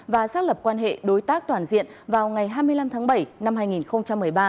và xác lập quan hệ đối tác toàn diện vào ngày hai mươi năm tháng ba